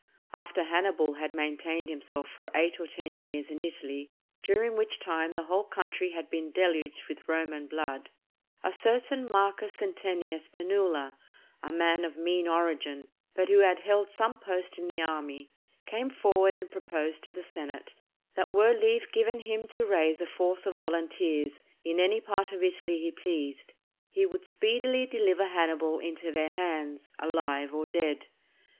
After Hannibal had maintained himself for eight or ten years in Italy, during which time the whole country had been deluged with Roman blood, a certain Marcus Centenius Penula, a man of mean origin, but who had held some post in the army, came forward and proposed to the senate that were leave given him to raise a force of volunteers in any part of Italy he pleased, he would speedily deliver Hannibal into their hands, alive or dead.